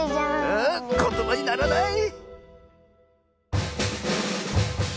あっことばにならない。